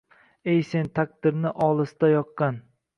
Ey sen, taqdirini olisda yoqqan